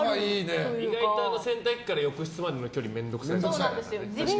意外と洗濯機から浴室までの距離面倒くさいからね。